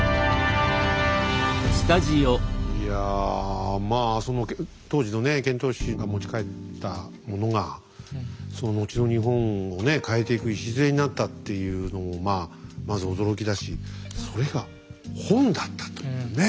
いやまあ当時の遣唐使が持ち帰ったものが後の日本を変えていく礎になったっていうのまず驚きだしそれが本だったというね。